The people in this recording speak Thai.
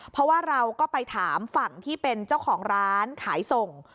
เพราะว่าเราก็ไปถามฝั่งที่เป็นเจ้าของร้านขายส่ง